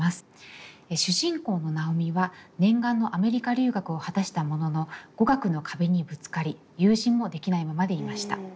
主人公の尚美は念願のアメリカ留学を果たしたものの語学の壁にぶつかり友人もできないままでいました。